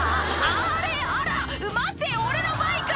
あれ⁉あら⁉待って俺のバイク！」